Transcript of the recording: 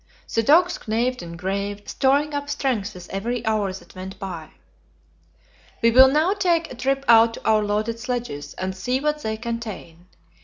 The dogs gnawed and gnawed, storing up strength with every hour that went by. We will now take a trip out to our loaded sledges, and see what they contain.